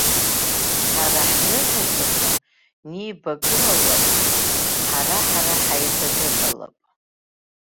Ҳара ҳныҳәаҿақәа нибакылалап, ҳара-ҳара ҳаибаныҳәалап.